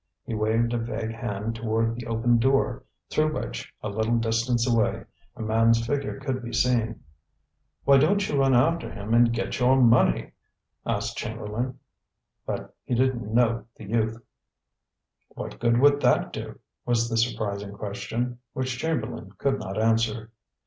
He waved a vague hand toward the open door through which, a little distance away, a man's figure could be seen. "Why don't you run after him and get your money?" asked Chamberlain; but he didn't know the youth. "What good would that do?" was the surprising question, which Chamberlain could not answer.